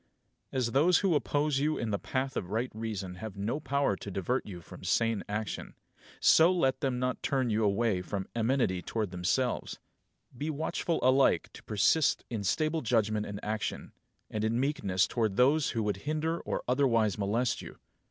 9. As those who oppose you in the path of right reason have no power to divert you from sane action, so let them not turn you away from amenity towards themselves. Be watchful alike to persist in stable judgment and action, and in meekness towards those who would hinder or otherwise molest you.